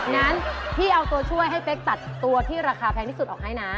งั้นพี่เอาตัวช่วยให้เป๊กตัดตัวที่ราคาแพงที่สุดออกให้นะ